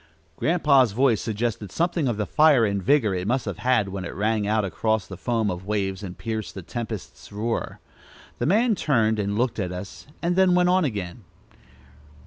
Grandpa's voice suggested something of the fire and vigor it must have had when it rang out across the foam of waves and pierced the tempest's roar. The man turned and looked at us, and then went on again.